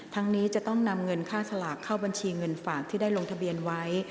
นี้จะต้องนำเงินค่าสลากเข้าบัญชีเงินฝากที่ได้ลงทะเบียนไว้